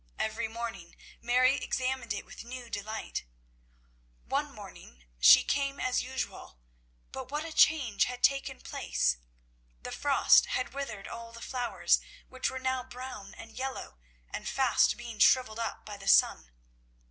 Every morning Mary examined it with new delight. One morning she came as usual, but what a change had taken place! The frost had withered all the flowers, which were now brown and yellow and fast being shrivelled up by the sun.